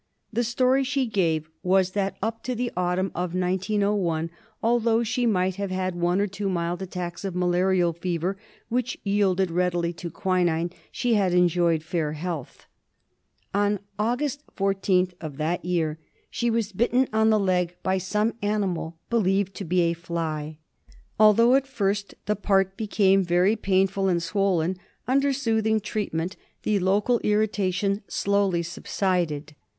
The story she gave was that up to the autumn of 1901, although she might have had one or two mild attacks of malarial fever which yielded readily to quinine, she had enjoyed fair health. On August 14th of that year she was bitten on the leg by some animal, believed to be a fly. Although at first the part became very painful and swollen, under soothing treatment the local irrita tion slowly subsided.